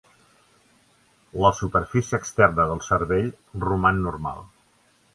La superfície externa del cervell roman normal.